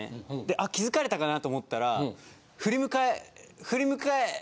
あっ気付かれたかな？と思ったら。